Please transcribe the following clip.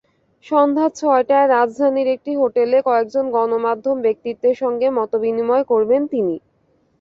সন্ধ্যা ছয়টায় রাজধানীর একটি হোটেলে কয়েকজন গণমাধ্যম ব্যক্তিত্বের সঙ্গে মতবিনিময় করবেন তিনি।